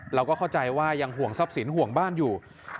เราก็เข้าใจว่ายังห่วงทรัพย์สินห่วงบ้านอยู่